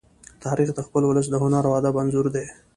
تاریخ د خپل ولس د هنر او ادب انځور دی.